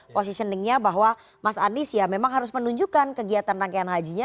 positioningnya bahwa mas anies ya memang harus menunjukkan kegiatan rangkaian hajinya